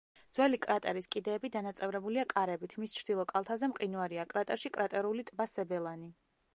ძველი კრატერის კიდეები დანაწევრებულია კარებით, მის ჩრდილო კალთაზე მყინვარია, კრატერში კრატერული ტბა სებელანი.